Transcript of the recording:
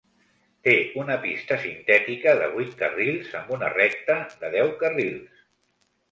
Té una pista sintètica de vuit carrils amb una recta de deu carrils.